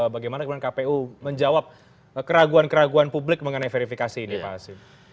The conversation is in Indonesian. bagaimana kemudian kpu menjawab keraguan keraguan publik mengenai verifikasi ini pak hasim